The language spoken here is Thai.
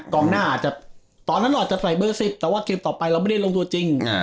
ตอนนั้นเราออกจะใส่เบอร์ซิบแต่ว่าเกมต่อไปเราไม่ได้ลงตัวจริง